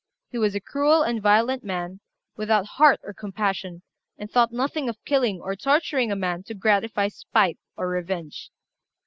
He was a cruel and violent man, without heart or compassion, and thought nothing of killing or torturing a man to gratify spite or revenge.